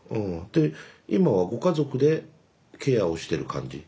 で今はご家族でケアをしてる感じ？